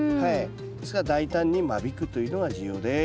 ですから大胆に間引くというのが重要です。